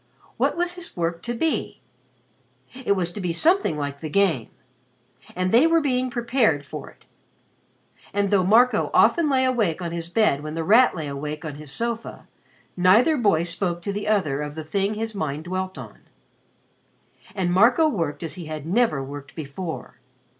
What was his work to be? It was to be something like "the game." And they were being prepared for it. And though Marco often lay awake on his bed when The Rat lay awake on his sofa, neither boy spoke to the other of the thing his mind dwelt on. And Marco worked as he had never worked before.